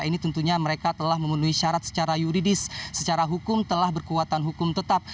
ini tentunya mereka telah memenuhi syarat secara yuridis secara hukum telah berkuatan hukum tetap